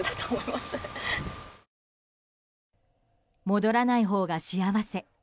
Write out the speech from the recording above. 戻らないほうが幸せ。